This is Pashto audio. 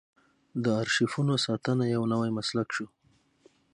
د ارشیفونو ساتنه یو نوی مسلک شو.